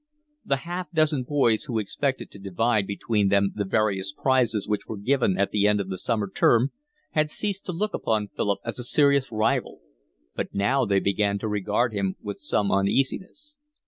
The half dozen boys who expected to divide between them the various prizes which were given at the end of the summer term had ceased to look upon Philip as a serious rival, but now they began to regard him with some uneasiness.